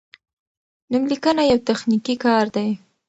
نوملیکنه یو تخنیکي کار دی.